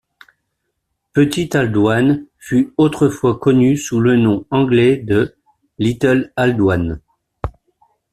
Petite-Aldouane fut autrefois connu sous le nom anglais de Little Aldouane.